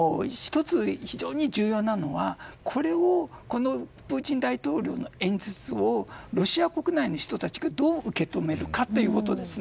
１つ、非常に重要なのはこのプーチン大統領の演説をロシア国内の人たちがどう受け止めるかということです。